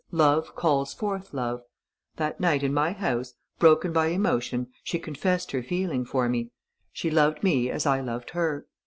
Love calls forth love. That night, in my house, broken by emotion, she confessed her feeling for me. She loved me as I loved her.